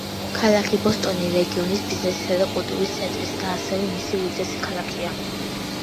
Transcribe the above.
ქალაქი ბოსტონი რეგიონის ბიზნესისა და კულტურის ცენტრი და ასევე მისი უდიდესი ქალაქია.